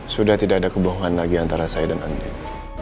sudah tidak ada kebohongan lagi antara saya dan andri